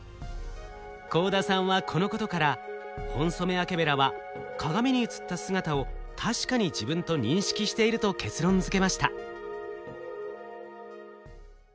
幸田さんはこのことからホンソメワケベラは鏡に映った姿を確かに自分と認識していると結論づけました。